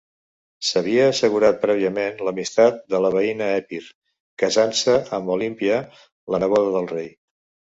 S'havia assegurat prèviament l'amistat de la veïna Epir, casant-se amb Olímpia, la neboda del rei.